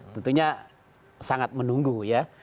tentunya sangat menunggu ya